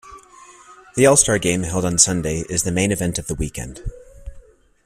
The All-Star Game, held on Sunday, is the main event of the weekend.